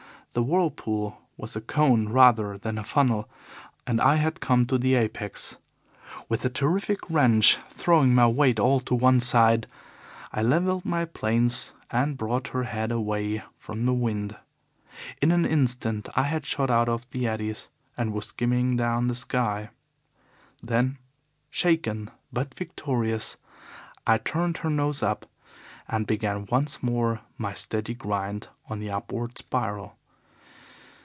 The whirlpool was a cone rather than a funnel, and I had come to the apex. With a terrific wrench, throwing my weight all to one side, I levelled my planes and brought her head away from the wind. In an instant I had shot out of the eddies and was skimming down the sky. Then, shaken but victorious, I turned her nose up and began once more my steady grind on the upward spiral.